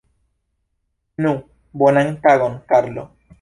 Nu, bonan tagon, Karlo!